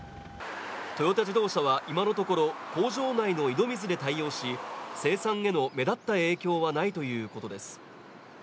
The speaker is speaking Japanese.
トヨタ自動車は今のところ、工場内の井戸水で対応し生産への目立った影響はないということです。